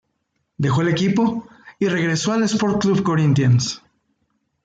Dejó el equipo y regresó al Sport Club Corinthians.